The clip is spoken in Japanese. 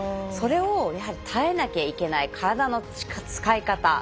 それをやはり耐えなきゃいけない体の使い方。